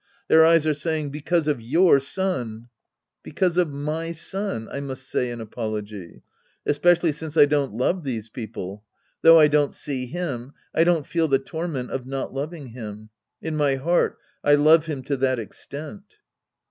Their eyes are saying, " Because of your son —"" Because of my son —" I must say in apology. Especially since I don't love these people. Though I don't see liim, I don't feel the torment of not loving him. In my heart, I love him to that extent.